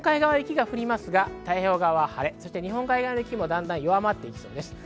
今日は日本海側、雪が降りますが太平洋側は晴れ、日本海側の雪もだんだん弱まっていきそうです。